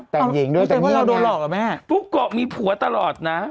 แต่หญิงด้วยแต่เงียบไงพุกโกะมีผัวตลอดนะ